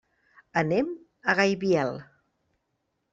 Anem a Gaibiel.